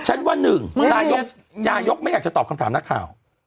ว่าหนึ่งนายกไม่อยากจะตอบคำถามนักข่าว